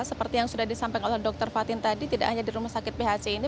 seperti yang sudah disampaikan oleh dr fatin tadi tidak hanya di rumah sakit phc ini